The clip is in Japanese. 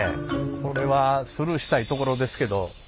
これはスルーしたいところですけど。